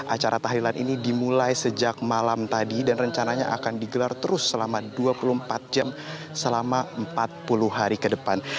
acara tahlilan ini dimulai sejak malam tadi dan rencananya akan digelar terus selama dua puluh empat jam selama empat puluh hari ke depan